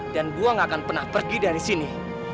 dan saya gak akan pernah pergi dari sini